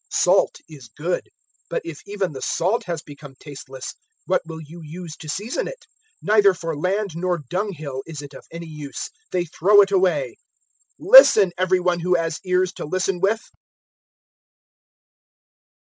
014:034 "Salt is good: but if even the salt has become tasteless, what will you use to season it? 014:035 Neither for land nor dunghill is it of any use; they throw it away. Listen, every one who has ears to listen with!"